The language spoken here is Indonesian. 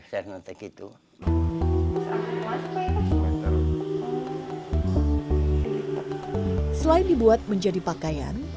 selain dibuat menjadi pakaian